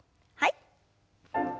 はい。